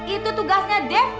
itu tugasnya dev